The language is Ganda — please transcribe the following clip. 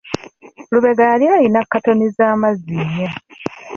Lubega yali alina katoni z'amazzi nnya.